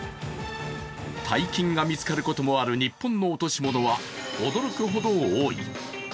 大金が見つかることもある日本の落とし物は驚くほど多い。